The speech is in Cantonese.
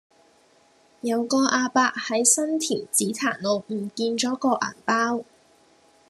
有個亞伯喺新田紫檀路唔見左個銀包